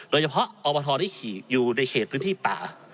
โดยเฉพาะอบทที่ขี่อยู่ในเขตพื้นที่ป่า